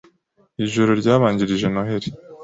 Ijoro ryabanjirije Noheri